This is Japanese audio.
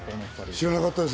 知らなかったです。